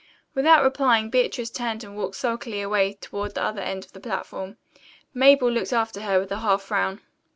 Without replying Beatrice turned and walked sulkily away toward the other end of the platform. Mabel looked after her with a half frown.